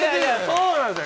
そうなんですよ。